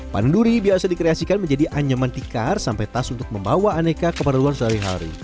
panen duri biasa dikreasikan menjadi anyaman tikar sampai tas untuk membawa aneka keperluan sehari hari